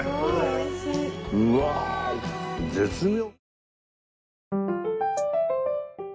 うわ絶妙。